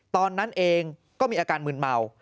ตอนนั้นเองก็มีอาการมืนเมา